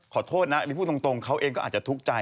ขอโทษนะหรือพูดตรงเขาเองก็อาจจะทุกข์ใจ